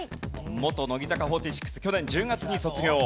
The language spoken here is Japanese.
元乃木坂４６去年１０月に卒業。